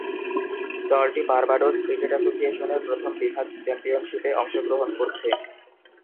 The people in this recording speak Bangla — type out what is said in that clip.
দলটি বার্বাডোস ক্রিকেট অ্যাসোসিয়েশন প্রথম বিভাগ চ্যাম্পিয়নশীপে অংশগ্রহণ করছে।